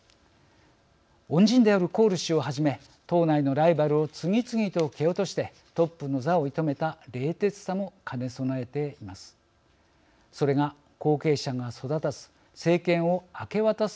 恩人であるコール氏をはじめ党内のライバルを次々と蹴落としてトップの座を射止めた冷徹さも兼ね備えています。